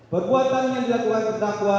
perbuatan yang dilakukan terdakwa